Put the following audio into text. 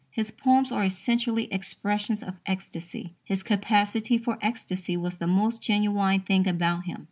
His poems are essentially expressions of ecstasy. His capacity for ecstasy was the most genuine thing about him.